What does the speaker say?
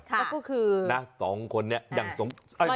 ก็คือสองคนอย่างสม